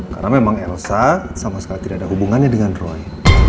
karena memang elsa sama sekali tidak ada hubungannya dengan roy